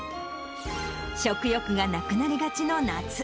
食欲がなくなりがちな夏。